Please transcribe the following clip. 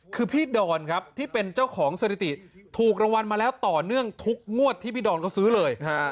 คือพี่ดอนครับที่เป็นเจ้าของสถิติถูกรางวัลมาแล้วต่อเนื่องทุกงวดที่พี่ดอนเขาซื้อเลย